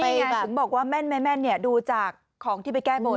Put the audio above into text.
นี่ไงถึงบอกว่าแม่นดูจากของที่ไปแก้บน